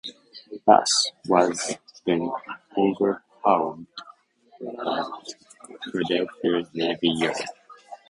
"Bass" was then overhauled at Philadelphia Navy Yard.